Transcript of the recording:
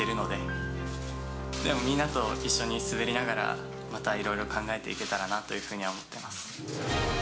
でもみんなと一緒に滑りながら、またいろいろ考えていけたらなというふうには思ってます。